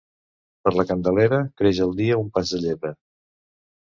Per la Candelera, creix el dia un pas de llebre.